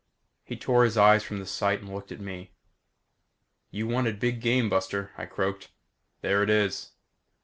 He tore his eyes from the sight and looked at me. "You wanted big game, buster," I croaked. "There it is."